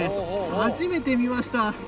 初めて見ました。